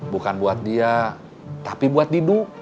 bukan buat dia tapi buat tidur